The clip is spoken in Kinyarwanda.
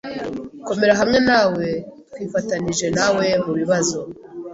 Komera hamwe nawe, twifatanije nawe mubibazo